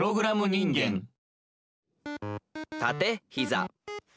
「たてひざ」。